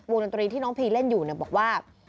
ดนตรีที่น้องพีเล่นอยู่บอกว่า